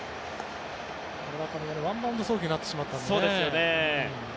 村上がワンバウンド送球になってしまったんですよね。